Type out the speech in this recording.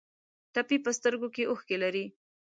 ټپي په سترګو کې اوښکې لري.